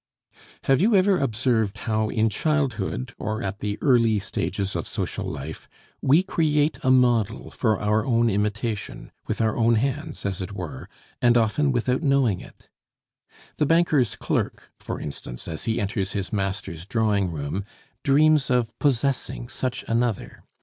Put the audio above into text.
Have you ever observed how in childhood, or at the early stages of social life, we create a model for our own imitation, with our own hands as it were, and often without knowing it? The banker's clerk, for instance, as he enters his master's drawing room, dreams of possessing such another.